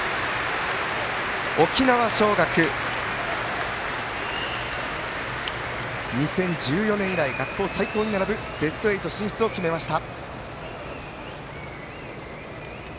沖縄尚学、２０１４年以来学校最高に並ぶベスト８進出を決めました。